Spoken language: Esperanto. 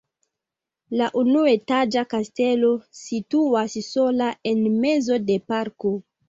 La unuetaĝa kastelo situas sola en mezo de parko.